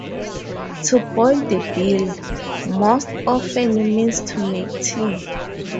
To "boil the billy" most often means to make tea.